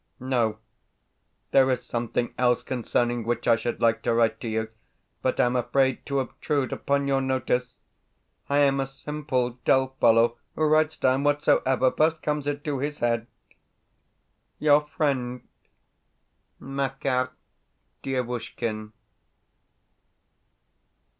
No there is something else concerning which I should like to write to you, but am afraid to obtrude upon your notice. I am a simple, dull fellow who writes down whatsoever first comes into his head Your friend, MAKAR DIEVUSHKIN.